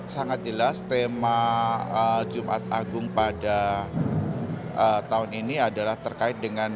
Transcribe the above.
sangat jelas tema jumat agung pada tahun ini adalah terkait dengan